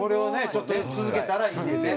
ちょっと続けたらいいねんね。